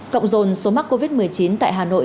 cộng dồn số mắc covid một mươi chín tại hà nội